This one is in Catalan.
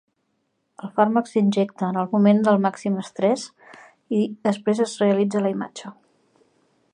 El fàrmac s'injecta en el moment de màxim estrès, i després es realitza la imatge.